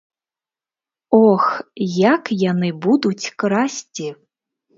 Ох, як яны будуць красці!